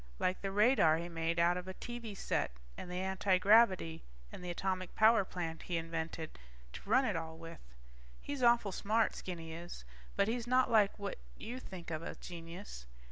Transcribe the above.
Like the radar he made out of a TV set and the antigravity and the atomic power plant he invented to run it all with. He's awful smart, Skinny is, but he's not like what you think of a genius.